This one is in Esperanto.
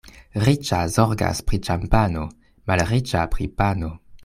Riĉa zorgas pri ĉampano, malriĉa pri pano.